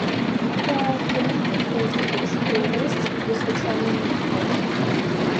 Так, яны і не ходзяць больш у тыя месцы, куды звычайна мы ходзім.